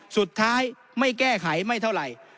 สุดท้ายไม่แก้ไขไม่เท่าไหร่